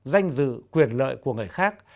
danh dự quyền lợi của người khác